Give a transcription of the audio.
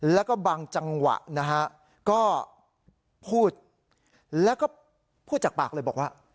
แล้วก็บางจังหวะนะฮะก็พูดแล้วก็พูดจากปากเลยบอกว่า